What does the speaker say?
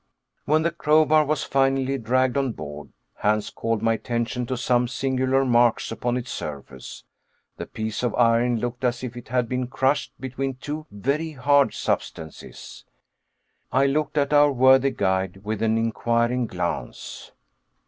When the crowbar was finally dragged on board, Hans called my attention to some singular marks upon its surface. The piece of iron looked as if it had been crushed between two very hard substances. I looked at our worthy guide with an inquiring glance.